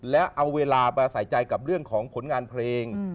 แล้วเอาเวลาไปใส่ใจกับเรื่องของผลงานเพลง